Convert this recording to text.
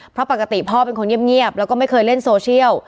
เพราะปกติพ่อเป็นคนเงียบแล้วก็ไม่เคยเล่นโซเชียล